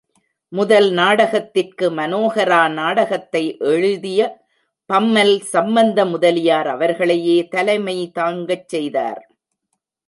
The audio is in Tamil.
முதல் நாடகத்திற்கு மனோஹரா நாடகத்தை எழுதிய பம்மல் சம்பந்த முதலியார் அவர்களையே தலைமை தாங்கச் செய்தார்.